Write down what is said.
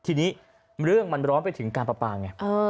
ทีนี้เรื่องมันร้อนไปถึงการปราปราขึ้นกัน